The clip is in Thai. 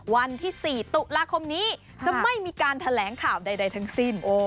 วันที่๔ตุลาคมนี้จะไม่มีการแถลงข่าวใดทั้งสิ้น